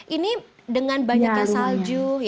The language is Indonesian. ini dengan banyaknya salju